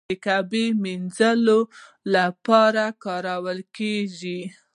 د کعبې مینځلو لپاره کارول کیږي.